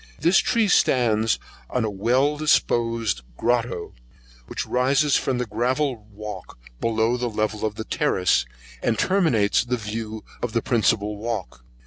This tree stands on a well disposed grotto, which rises from the gravel walk below to the level of the terrace, and terminates the view of the principal walk.